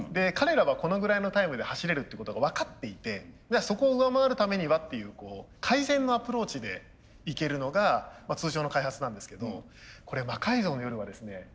彼らはこのぐらいのタイムで走れるっていうことが分かっていてそこを上回るためにはっていう改善のアプローチでいけるのが通常の開発なんですけどこれ「魔改造の夜」はですね